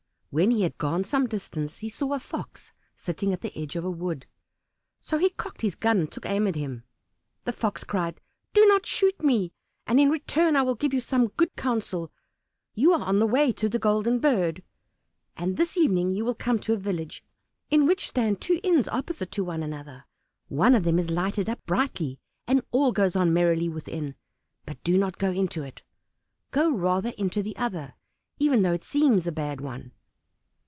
When he had gone some distance he saw a Fox sitting at the edge of a wood, so he cocked his gun and took aim at him. The Fox cried, "Do not shoot me! and in return I will give you some good counsel. You are on the way to the Golden Bird; and this evening you will come to a village in which stand two inns opposite to one another. One of them is lighted up brightly, and all goes on merrily within, but do not go into it; go rather into the other, even though it seems a bad one."